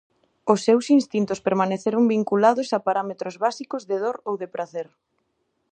Os seus instintos permanecen vinculados a parámetros básicos de dor ou de pracer.